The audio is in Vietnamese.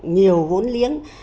nhiều vốn liếng